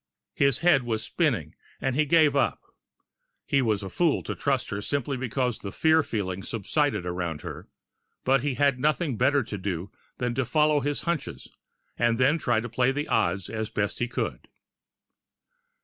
His head was spinning, and he gave it up. He was a fool to trust her simply because the fear feeling subsided around her but he had nothing better to do than to follow his hunches, and then try to play the odds as best he could.